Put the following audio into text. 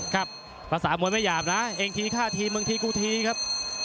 ครับภาษามวยไม่หยาบนะเองทีฆ่าทีบางทีกูทีครับ